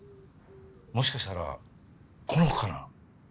もしかしたらこの子かな。